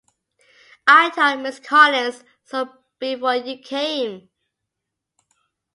I told Mrs. Collins so before you came.